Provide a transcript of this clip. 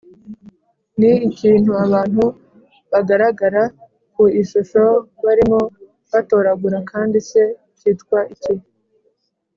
Ni iki abantu bagaragara ku ishusho barimo batoragura kandi se cyitwa iki